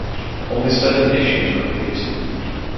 Only seven issues were produced.